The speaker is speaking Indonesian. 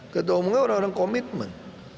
ketua umumnya orang orang komitmen